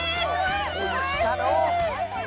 おいしかろう。